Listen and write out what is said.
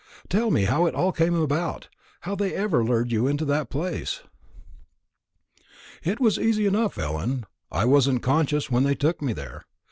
Tell me how it all came about how they ever lured you into that place." "It was easy enough, Ellen; I wasn't conscious when they took me there.